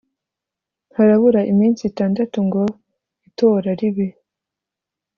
harabura iminsi itandatu ngo itora ribe .